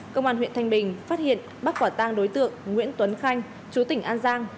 công an huyện thanh bình phát hiện bắt quả tang đối tượng nguyễn tuấn khanh chú tỉnh an giang